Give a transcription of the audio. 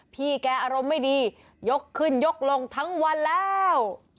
พี่แกอารมณ์ไม่ดียกขึ้นยกลงทั้งวันแล้ว